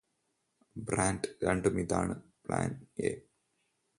brand രണ്ടും ഇതാണ് plan A